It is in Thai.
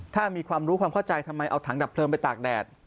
ถ้ามีความรู้ความเข้าใจทำไมเอาถังดับเพลิงไปตากแดด